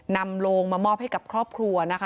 นำโลงมามอบให้กับครอบครัวนะคะ